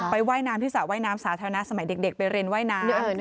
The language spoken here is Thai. ว่ายน้ำที่สระว่ายน้ำสาธารณะสมัยเด็กไปเรียนว่ายน้ำ